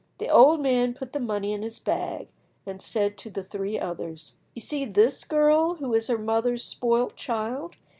The old man put the money in his bag, and said to the three others— "You see this girl who is her mother's spoilt child?